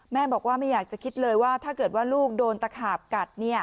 แม่บอกว่าไม่อยากจะคิดเลยว่าถ้าเกิดว่าลูกโดนตะขาบกัด